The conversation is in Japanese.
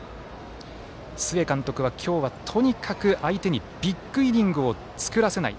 須江監督は今日は、とにかく相手にビッグイニングを作らせない。